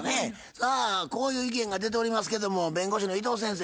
さあこういう意見が出ておりますけども弁護士の伊藤先生